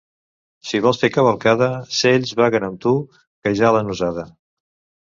Si vols fer cavalcada, cells vagen amb tu qui ja l'han usada.